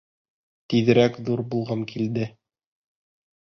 Тиҙерәк ҙур булғым килде.